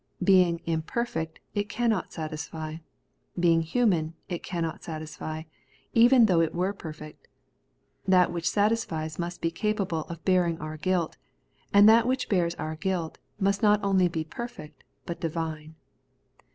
Being imperfect , it cannot satisfy ; being human, it cannot satisfy, even though it were perfect. That which satisfies must be capable of bearing our guilt; and that which bears our guilt must be not only perfect, but divine.